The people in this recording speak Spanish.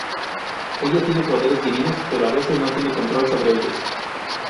Ella tiene poderes divinos, pero a veces no tiene control sobre ellos.